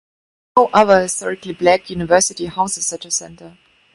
No other Historically Black University houses such a center.